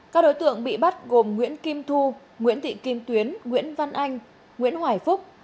các đối tượng bị bắt gồm nguyễn kim thu nguyễn thị kim tuyến nguyễn văn anh nguyễn hoài phúc